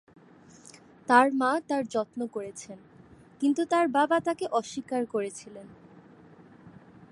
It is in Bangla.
তার মা তার যত্ন করেছেন, কিন্তু তার বাবা তাকে অস্বীকার করেছিলেন।